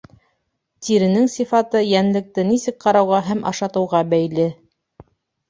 Тиренең сифаты йәнлекте нисек ҡарауға һәм ашатыуға бәйле.